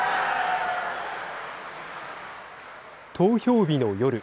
投票日の夜。